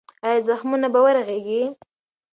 ایا زخمونه به ورغېږي؟